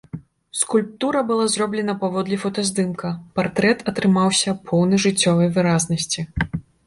Скульптура была зроблена паводле фотаздымка, партрэт атрымаўся поўны жыццёвай выразнасці.